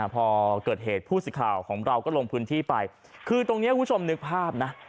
พอเกิดเหตุผู้สิทธิ์ข่าวของเราก็ลงพื้นที่ไปคือตรงนี้คุณผู้ชมนึกภาพนะ